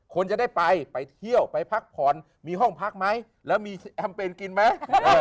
คนจะได้ไปไปเที่ยวไปพักผ่อนมีห้องพักไหมแล้วมีแอมเปญกินไหม